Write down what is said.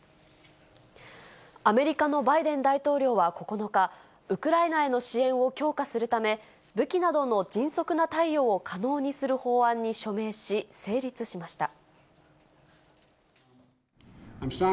アメリカのバイデン大統領は９日、ウクライナへの支援を強化するため、武器などの迅速な貸与を可能にする法案に署名し、成立しました。